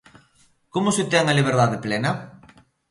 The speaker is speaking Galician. ¿Como se ten a liberdade plena?